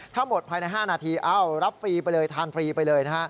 ถ้าหมดภายใน๕นาทีรับฟรีไปเลยทานฟรีไปเลย